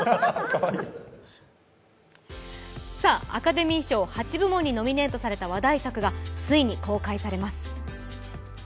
アカデミー賞８部門にノミネートされた話題作がついに公開されます。